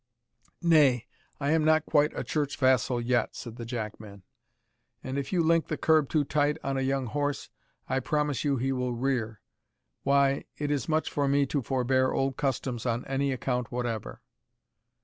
"Nay, I am not quite a Church vassal yet," said the jackman, "and if you link the curb too tight on a young horse, I promise you he will rear Why, it is much for me to forbear old customs on any account whatever."